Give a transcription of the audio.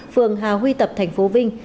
phường hà huy tập tp vinh